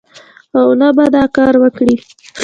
او نه به دا کار وکړي